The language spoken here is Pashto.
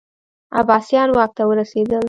عباسیان واک ته ورسېدل